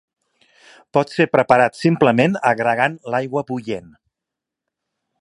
Pot ser preparat simplement agregant l'aigua bullent.